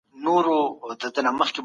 په کار او پريکړه کي عدل کوئ.